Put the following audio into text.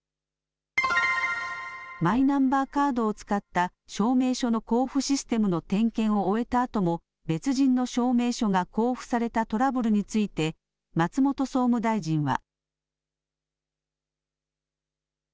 マイナンバーカードを使った証明書の交付システムの点検を終えたあとも、別人の証明書が交付されたトラブルについて、松本総務大臣は。